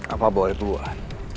apa boleh buat